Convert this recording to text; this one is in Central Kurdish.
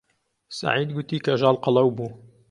سەعید گوتی کەژاڵ قەڵەو بوو.